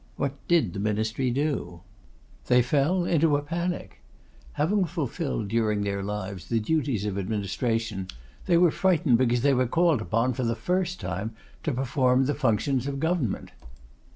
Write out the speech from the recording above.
What did the ministry do? They fell into a panic. Having fulfilled during their lives the duties of administration, they were frightened because they were called upon, for the first time, to perform the functions of government.